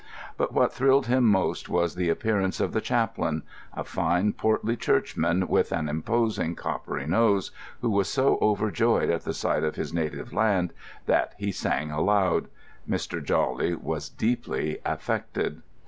But what thrilled him most was the appearance of the chaplain; a fine, portly churchman with an imposing, coppery nose, who was so overjoyed at the sight of his native land that he sang aloud. Mr. Jawley was deeply affected.